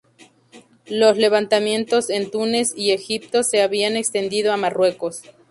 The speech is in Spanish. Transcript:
Los levantamientos en Túnez y Egipto se habían extendido a Marruecos.